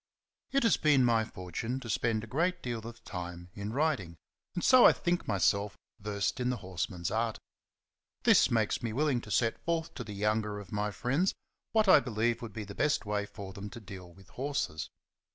TT has been my fortune to spend a great deal of time in riding, and so I think myself versed in the horseman's art. This makes me willing to set forth to the younger of my friends what I believe would be the best way for them to deal with horses.